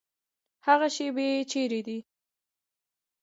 هغه شیبې چیري دي؟